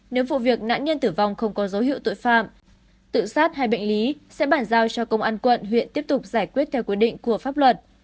nếu vụ việc nạn nhân tử vong không có dấu hiệu tội phạm tự sát hay bệnh lý sẽ bản giao cho công an quận huyện tiếp tục giải quyết theo quy định của pháp luật